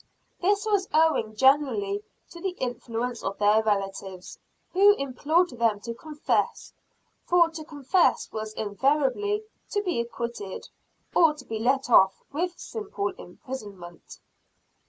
This was owing generally to the influence of their relatives, who implored them to confess; for to confess was invariably to be acquitted, or to be let off with simple imprisonment.